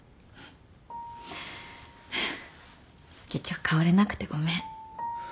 結局変われなくてごめん。